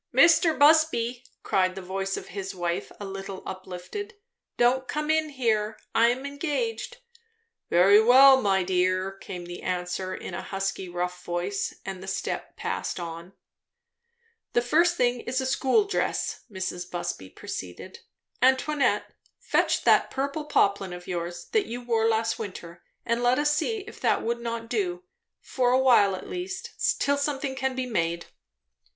"Mr. Busby " cried the voice of his wife, a little uplifted, "don't come in here I am engaged." "Very well, my dear," came answer in a husky, rough voice, and the step passed on. "The first thing is a school dress," Mrs. Busby proceeded. "Antoinette, fetch that purple poplin of yours, that you wore last winter, and let us see if that would not do, for a while at least, till something can be made."